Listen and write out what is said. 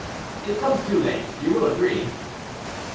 "It comes too late, you will agree?"